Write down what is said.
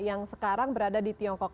yang sekarang berada di tiongkok